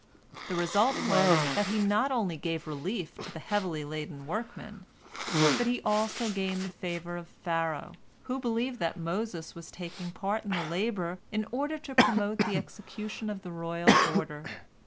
The result was that he not only gave relief to the heavily laden workmen, but he also gained the favor of Pharaoh, who believed that Moses was taking part in the labor in order to promote the execution of the royal order.